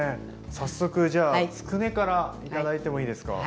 早速じゃあつくねから頂いてもいいですか。